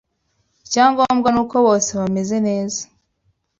Icyangombwa nuko bose bameze neza.